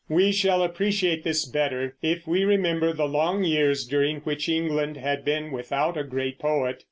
We shall appreciate this better if we remember the long years during which England had been without a great poet.